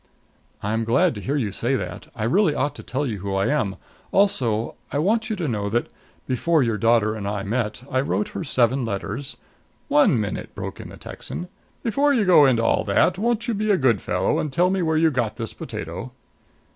"I'm glad to hear you say that. I really ought to tell you who I am. Also, I want you to know that, before your daughter and I met, I wrote her seven letters " "One minute," broke in the Texan. "Before you go into all that, won't you be a good fellow and tell me where you got this potato?"